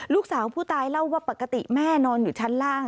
ลูกสาวผู้ตายเล่าว่าปกติแม่นอนอยู่ชั้นล่าง